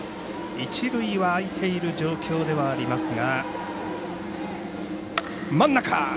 一塁は空いている状況ではありますが。